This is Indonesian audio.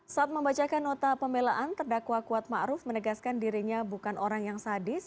saat membacakan nota pemelaan terdakwa kuat ma'ruf menegaskan dirinya bukan orang yang sadis